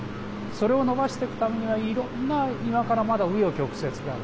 それを伸ばしていくためにはいろんな今から、まだ紆余曲折がある。